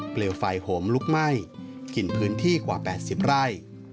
เปลวไฟโหมลุกไหม้กินพื้นที่กว่า๘๐ไร่